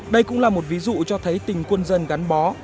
đây cũng là một ví dụ cho thấy tình quân dân gắn bó